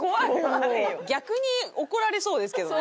逆に怒られそうですけどね。